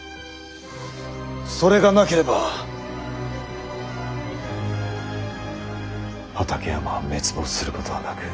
それがなければ畠山は滅亡することはなく。